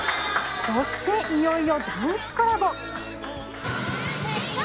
そしていよいよダンスコラボ。